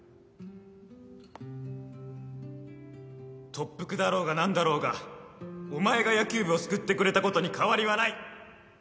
「特服だろうが何だろうがお前が野球部を救ってくれたことに変わりはない！」